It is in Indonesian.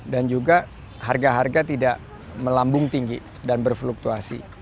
dan juga harga harga tidak melambung tinggi dan berfluktuasi